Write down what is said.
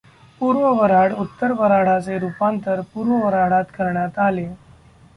पूर्व वऱ्हाड उत्तर वऱ्हाडचे रूपांतर पूर्व वऱ्हाडात करण्यात आले.